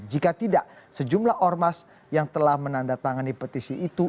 jika tidak sejumlah ormas yang telah menandatangani petisi itu